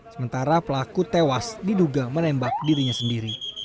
sementara pelaku tewas diduga menembak dirinya sendiri